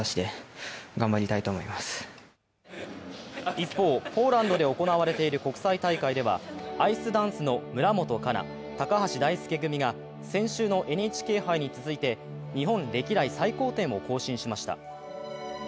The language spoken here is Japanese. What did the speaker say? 一方、ポーランドで行われている国際大会ではアイスダンスの村元哉中・高橋大輔組が先週のＮＨＫ杯に続いて、日本歴代最高点を更新しました。